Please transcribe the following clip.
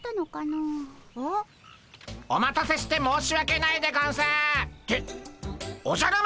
うん？お待たせして申し訳ないでゴンスっておじゃる丸！